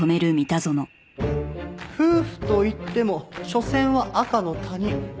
夫婦といってもしょせんは赤の他人。